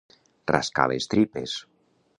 Rascar les tripes.